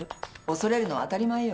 恐れるのは当たり前よ。